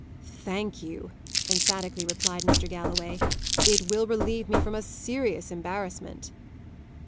"Thank you," emphatically replied Mr. Galloway. "It will relieve me from a serious embarrassment."